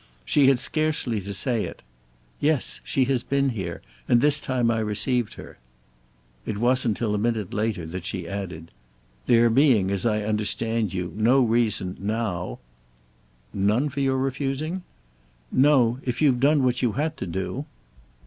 She had scarcely to say it—"Yes, she has been here, and this time I received her." It wasn't till a minute later that she added: "There being, as I understand you, no reason now—!" "None for your refusing?" "No—if you've done what you've had to do."